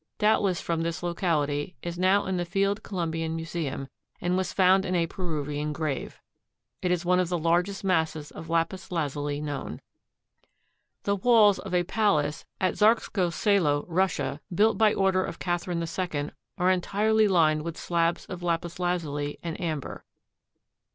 doubtless from this locality is now in the Field Columbian Museum, and was found in a Peruvian grave. It is one of the largest masses of lapis lazuli known. The walls of a palace at Zarskoe Selo, Russia, built by order of Catherine II are entirely lined with slabs of lapis lazuli and amber.